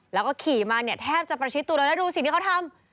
แล้วก็ขี่มาเนี่ยแทบจะประชิดตัวเลยนะดูสิ่งที่เขาทำ